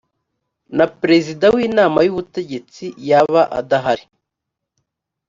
na perezida w inama y ubutegetsi yaba adahari